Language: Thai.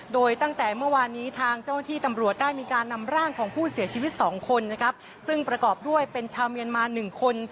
โดยตั้งแต่เมื่อวานนี้ทางเจ้าหน้าที่ตำรวจได้มีการนำร่างของผู้เสียชีวิตสองคนนะครับซึ่งประกอบด้วยเป็นชาวเมียนมา๑คน